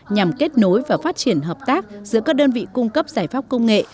nhằm kết nối và phát triển hợp tác giữa các đơn vị cung cấp giải pháp công nghệ